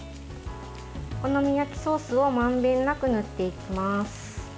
お好み焼きソースをまんべんなく塗っていきます。